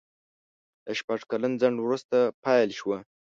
له شپږ کلن ځنډ وروسته پېل شوه.